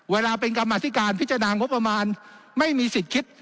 เวลาเป็นกรรมธิการพิจารณางบประมาณไม่มีสิทธิ์คิด